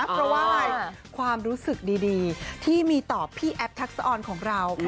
เพราะว่าอะไรความรู้สึกดีที่มีต่อพี่แอฟทักษะออนของเรา